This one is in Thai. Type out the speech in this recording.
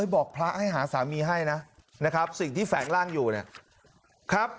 บอกพระให้หาสามีให้นะนะครับสิ่งที่แฝงร่างอยู่เนี่ยครับ